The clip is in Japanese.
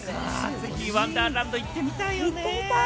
ぜひ「ワンダーランド」行ってみたいよね。